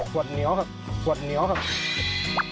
ปวดเหนียวครับขวดเหนียวครับ